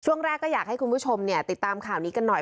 ช่วงแรกก็อยากให้คุณผู้ชมติดตามข่าวนี้กันหน่อย